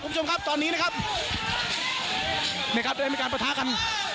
คุณผู้ชมครับตอนนี้นะครับเนี่ยครับได้มีการประทะกัน